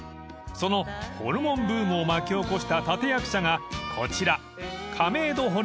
［そのホルモンブームを巻き起こした立役者がこちら亀戸ホルモン本店］